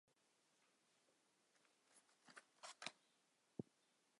巴彦乃庙位于巴彦淖尔苏木所在地。